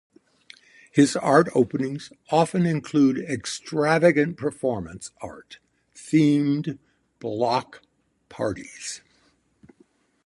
His art openings often include extravagant performance art themed block parties.